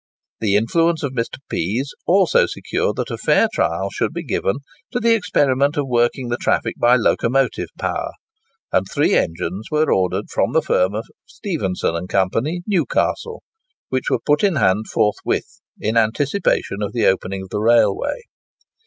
The influence of Mr. Pease also secured that a fair trial should be given to the experiment of working the traffic by locomotive power; and three engines were ordered from the firm of Stephenson and Co., Newcastle, which were put in hand forthwith, in anticipation of the opening of the railway.